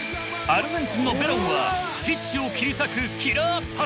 アルゼンチンのベロンはピッチを切り裂くキラーパス。